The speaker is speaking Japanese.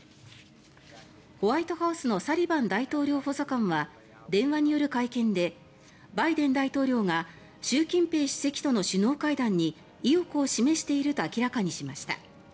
ホワイトハウスのサリバン大統領補佐官は電話による会見でバイデン大統領が習近平主席との首脳会談に意欲を示していると明らかにしました。